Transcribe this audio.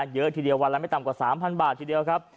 เยอะทีเดียววันละไม่ต่ำกว่า๓๐๐บาททีเดียวครับ